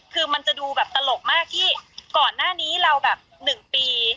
คือมันจะดูแบบตลกมากที่ก่อนหน้านี้เราแบบ๑ปี